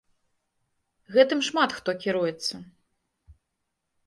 Гэтым шмат хто кіруецца.